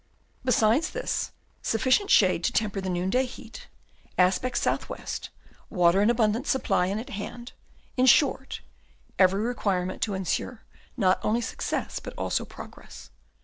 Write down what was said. Besides this, sufficient shade to temper the noonday heat; aspect south southwest; water in abundant supply, and at hand; in short, every requirement to insure not only success but also progress.